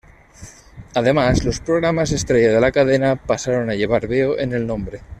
Además, los programas estrella de la cadena pasaron a llevar Veo en el nombre.